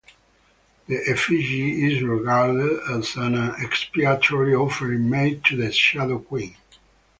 The effigy is regarded as an expiatory offering made to the Shadow Queen.